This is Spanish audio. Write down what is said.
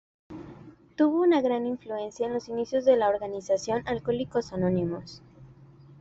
Tuvo una gran influencia en los inicios de la organización "Alcohólicos Anónimos".